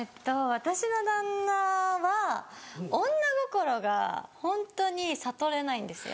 私の旦那は女心がホントに悟れないんですよ。